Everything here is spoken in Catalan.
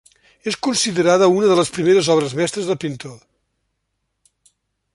És considerada una de les primeres obres mestres del pintor.